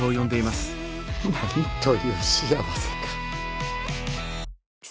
なんという幸せか。